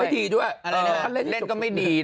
ไม่ดีด้วยอะไรนะครับเล่นก็ไม่ดี